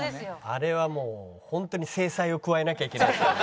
あれはもうホントに制裁を加えなきゃいけない。